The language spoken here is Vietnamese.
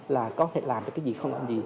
là có thể làm được cái gì không làm gì